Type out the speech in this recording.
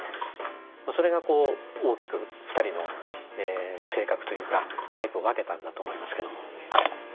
それが大きく２人の性格というかタイプを分けたんだと思いますけども。